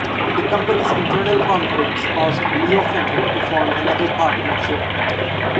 The company's internal conflicts caused Leo Fender to form another partnership.